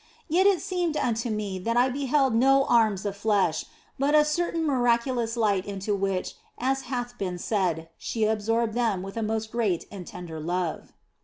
Yet it seemed unto me that I beheld no arms of flesh, but a certain miraculous light into which, as hath been said, she absorbed them with a most great and tender love.